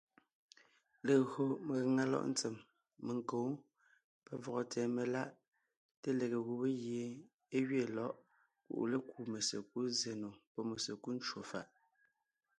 Legÿo megàŋa lɔ̌ʼ ntsèm, menkǒ, pavɔgɔ tsɛ̀ɛ meláʼ, té lege gubé gie é gẅeen lɔ̌ʼ kuʼu lékúu mesekúd zsè nò pɔ́ mesekúd ncwò fàʼ.